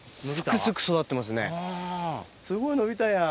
すごい伸びたやん。